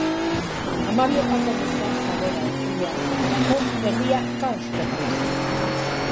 Hamabietako meza-sarrera entzun behar zenerako, herria kaos totala zen.